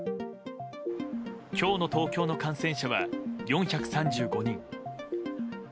今日の東京の感染者は４３５人。